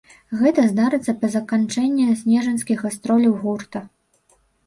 Гэта здарыцца па заканчэнні снежаньскіх гастроляў гурта.